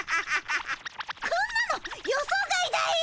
こんなの予想外だよ